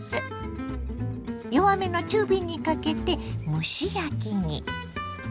弱めの中火にかけて蒸し焼きに。